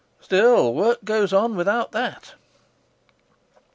Still, work goes on without that.